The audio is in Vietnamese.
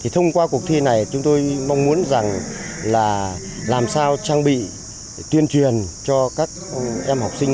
thông qua cuộc thi này chúng tôi mong muốn rằng là làm sao trang bị tuyên truyền cho các em học sinh